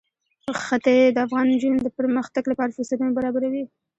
ښتې د افغان نجونو د پرمختګ لپاره فرصتونه برابروي.